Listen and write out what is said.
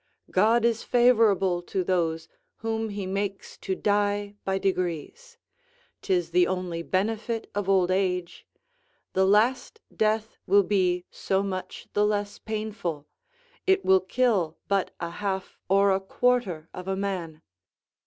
God is favourable to those whom He makes to die by degrees; 'tis the only benefit of old age; the last death will be so much the less painful; it will kill but a half or a quarter of a man.